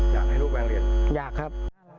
อยากครับ